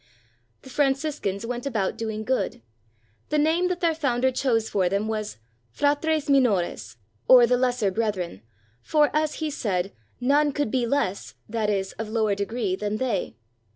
I The Franciscans went about doing good. The name that their founder chose for them was "Fratres Mi 14 ST. FRANCIS OF ASSISI nores," or the lesser brethren, for, as he said, none could be less, that is, of lower degree than they.